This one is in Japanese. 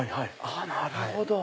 なるほど。